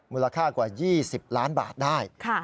มูลค่ากว่า๒๐ล้านบาทได้